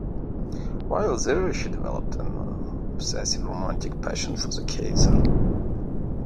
While there, she developed an obsessive romantic passion for the Kaiser.